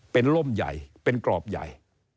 เป็นร่มใหญ่เป็นกรอบใหญ่